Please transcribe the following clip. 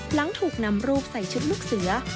หลังถูกนำรูปใส่ชุดลูกเสือ